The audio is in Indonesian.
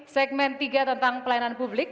segmen tiga tentang pelayanan publik